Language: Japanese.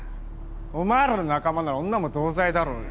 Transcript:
お前らの仲間なら女も同罪だろうが。